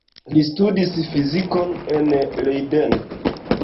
Li studis fizikon en Leiden.